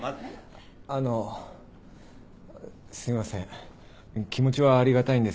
あのうすみません気持ちはありがたいんですけど。